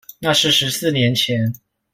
那是十四年前